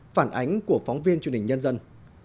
phản ánh của phóng viên truyền hình nhân dân